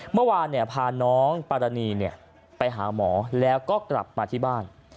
เมื่อวานพาน้องปรณีไปหาหมอแล้วก็กลับมาที่บ้าน